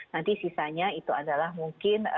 nanti sisanya itu adalah mungkin